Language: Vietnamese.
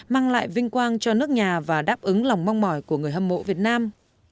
mang lại vinh quang cho nước nhà và đáp ứng lòng mong mỏi của người hâm mộ việt nam